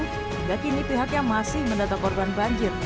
hingga kini pihaknya masih mendata korban banjir